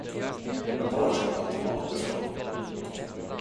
Men var skulle han ta mat ifrån?